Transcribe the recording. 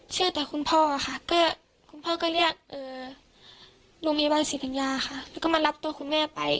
เชื่อแต่คุณพ่อค่ะก็คุณพ่อก็เรียกโรงพยาบาลศรีธัญญาค่ะแล้วก็มารับตัวคุณแม่ไป